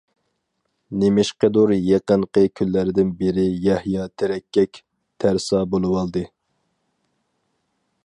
نېمىشقىدۇر يېقىنقى كۈنلەردىن بېرى يەھيا تېرىككەك، تەرسا بولۇۋالدى.